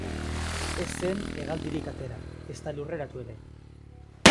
Ez zen hegaldirik atera, ezta lurreratu ere.